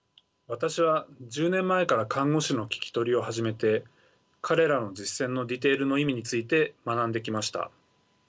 私は１０年前から看護師の聞き取りを始めて彼らの実践のディテールの意味について学んできました。